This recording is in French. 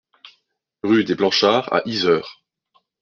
Rue des Planchards à Yzeure